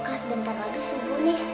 kak sebentar lagi subuh nih